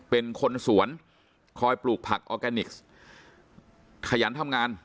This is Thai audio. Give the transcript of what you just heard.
เป็นคนสวนคอยปลูกผักออร์แกนิคขยันทำงาน